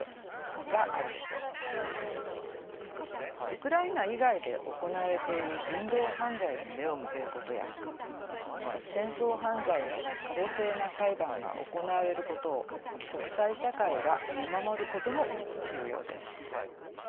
ウクライナ以外で行われている人道犯罪に目を向けることや戦争犯罪の公正な裁判が行われることを国際社会が見守ることも重要です。